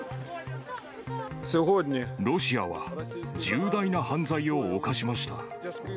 ロシアは重大な犯罪を犯しました。